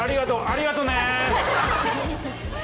ありがとね！